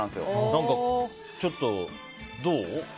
何かちょっと、どう？